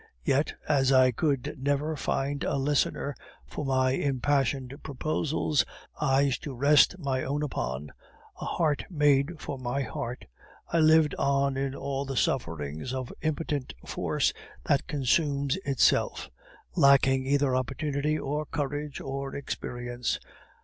Well, as I could never find a listener for my impassioned proposals, eyes to rest my own upon, a heart made for my heart, I lived on in all the sufferings of impotent force that consumes itself; lacking either opportunity or courage or experience.